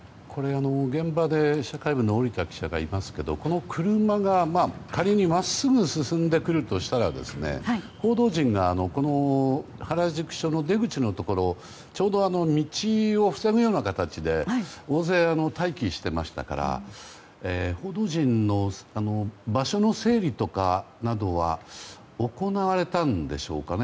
現場に社会部の織田記者がいますがこの車が仮に真っすぐ進んでくるとしたら報道陣が原宿署の出口のところちょうど道を塞ぐような形で大勢、待機していましたから報道陣の場所の整備とかなどは行われたんでしょうかね。